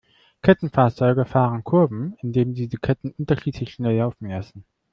Kettenfahrzeuge fahren Kurven, indem sie die Ketten unterschiedlich schnell laufen lassen.